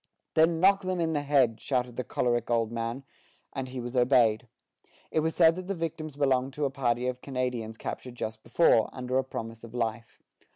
"Then knock them in the head," shouted the choleric old man; and he was obeyed. It was said that the victims belonged to a party of Canadians captured just before, under a promise of life.